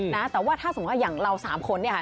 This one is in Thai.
นะแต่ว่าถ้าสมมุติว่าอย่างเราสามคนเนี่ยค่ะ